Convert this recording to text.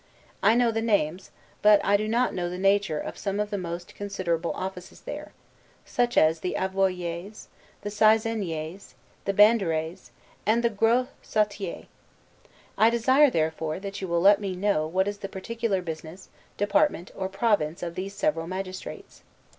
I know the names, but I do not know the nature of some of the most considerable offices there; such as the Avoyers, the Seizeniers, the Banderets, and the Gros Sautier. I desire, therefore, that you will let me know what is the particular business, department, or province of these several magistrates.